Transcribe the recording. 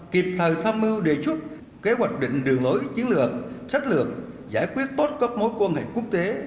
kịp thời tham mưu đề xuất kế hoạch định đường lối chiến lược sách lược giải quyết tốt các mối quan hệ quốc tế